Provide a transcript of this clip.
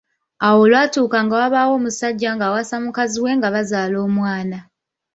Awo olwatuuka nga wabaawo omusajja ng’awasa mukazi we nga bazaala omwana.